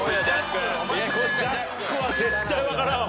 ジャックは絶対分からんわ